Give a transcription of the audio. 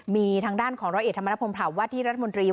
มีทางด้านของรเอกธรรมนภพวาดที่รัฐมนตรี